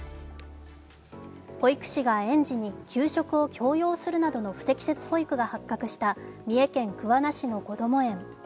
保育士が園児に給食を強要するなどの不適切保育が発覚した三重県桑名市のこども園。